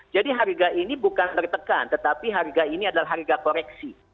jadi harga ini bukan tertekan tetapi harga ini adalah harga koreksi